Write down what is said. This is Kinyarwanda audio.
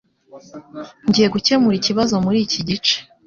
Ngiye gukemura ikibazo muri iki gice.